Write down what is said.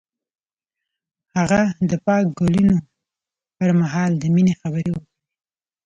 هغه د پاک ګلونه پر مهال د مینې خبرې وکړې.